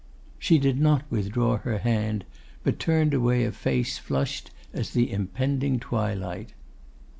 She did not withdraw her hand; but turned away a face flushed as the impending twilight.